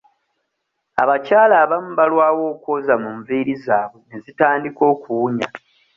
Abakyala abamu balwawo okwoza mu nviiri zaabwe ne zitandika okuwunya.